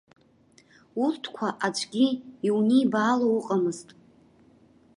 Урҭқәа аӡәгьы иунибаало уҟамызт.